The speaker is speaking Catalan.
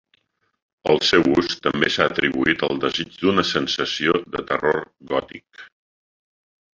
El seu ús també s'ha atribuït al desig d'una sensació de "terror gòtic".